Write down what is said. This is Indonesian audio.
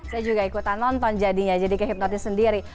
saya juga ikutan nonton jadinya jadi kehipnotis sendiri